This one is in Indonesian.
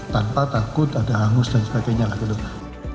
tanpa takut ada hangus dan sebagainya lah gitu